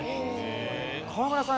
河村さん